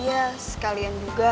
iya sekalian juga